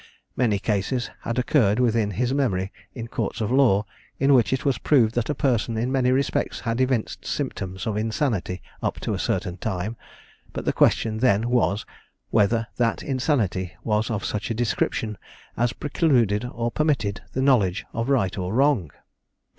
Many cases had occurred within his memory in courts of law, in which it was proved that a person in many respects had evinced symptoms of insanity up to a certain time; but the question then was, whether that insanity was of such a description as precluded or permitted the knowledge of right or wrong?